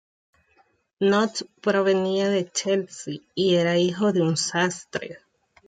Knott provenía de Chelsea y era hijo de un sastre.